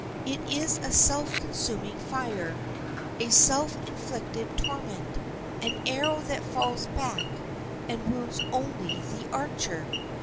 It is a self consuming fire, a self inflicted torment, an arrow that falls back and wounds only the archer.